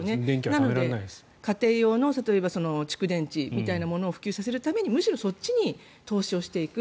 なので、例えば家庭用の蓄電池みたいなものを普及させるためにむしろそっちに投資していく。